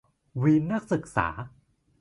วีนนักศึกษา